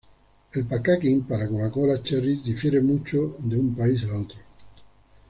El packaging para Coca-Cola Cherry difiere mucho de un país a otro.